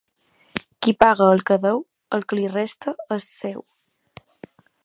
Qui paga el que deu, el que li resta és seu.